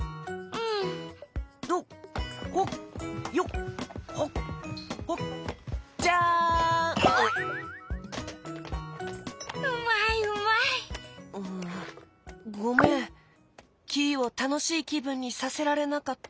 うんごめんキイをたのしいきぶんにさせられなかった。